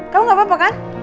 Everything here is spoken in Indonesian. kamu gak apa apa kan